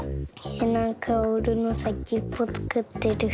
なんかオールのさきっぽつくってる。